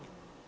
cái gì đó